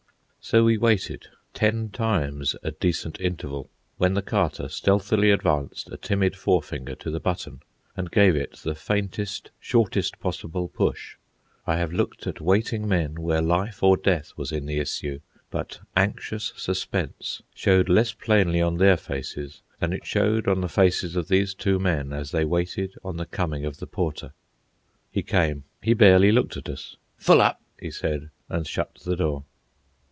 So we waited, ten times a decent interval, when the Carter stealthily advanced a timid forefinger to the button, and gave it the faintest, shortest possible push. I have looked at waiting men where life or death was in the issue; but anxious suspense showed less plainly on their faces than it showed on the faces of these two men as they waited on the coming of the porter. He came. He barely looked at us. "Full up," he said and shut the door.